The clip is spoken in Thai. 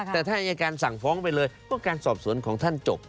แต่ถ้าอายการสั่งฟ้องไปเลยก็การสอบสวนของท่านจบ